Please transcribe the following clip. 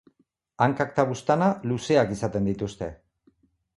Hankak eta buztana luzeak izaten dituzte.